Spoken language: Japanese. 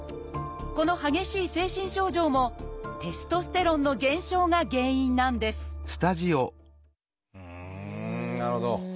この激しい精神症状もテストステロンの減少が原因なんですうんなるほど。